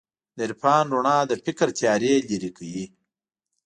د عرفان رڼا د فکر تیارو لېرې کوي.